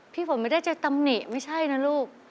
ฝนไม่ได้จะตำหนิไม่ใช่นะลูก